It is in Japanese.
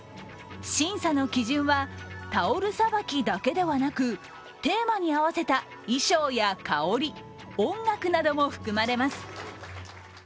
審査の基準は、タオルさばきだけではなく、テーマに合わせた衣装や香り、音楽なども含まれます。